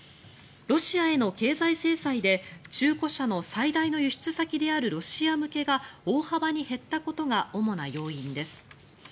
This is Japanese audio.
ロシアへの経済制裁で中古車の最大の輸出先であるロシア向けが大幅に減ったことが主な要因です。